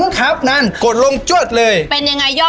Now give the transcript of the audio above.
เป็นยังไงยอดเวียล